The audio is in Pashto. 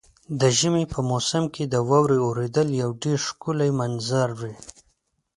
د ژمي په موسم کې د واورې اورېدل یو ډېر ښکلی منظر وي.